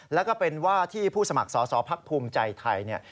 และก็เป็นว่าที่ผู้สมัครสอบภักษ์ภูมิใจไทย